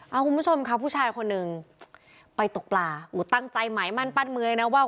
เอาคุณผู้ชมค่ะผู้ชายคนหนึ่งไปตกปลาตั้งใจหมายมั่นปั้นมือเลยนะว่า